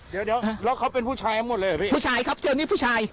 เดี๋ยวแล้วเขาเป็นผู้ชายหมดเลยเหรอพี่ผู้ชายครับเจอนี่ผู้ชาย